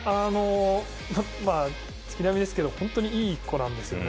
月並みですけど本当にいい子なんですよね。